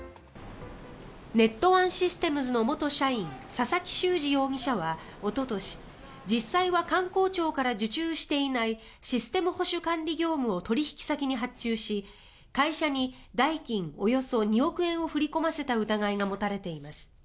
ネットワンシステムズの元社員佐々木秀次容疑者はおととし、実際は官公庁から受注していないシステム保守管理業務を取引先に発注し会社に代金およそ２億円を振り込ませた疑いが持たれています。